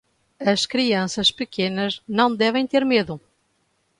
As crianças pequenas não devem ter medo.